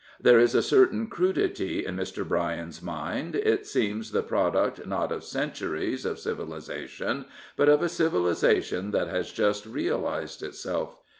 There is a certain crudity in Mr. Bryan's mind. It seems the product not of centuries of civilisation, but of a civilisation that has just realised itself.